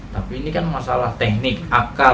tapi ini kan masalah teknik akal